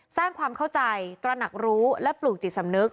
สร้างความเข้าใจตระหนักรู้และปลูกจิตสำนึก